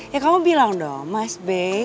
ya kamu bilang dong mas b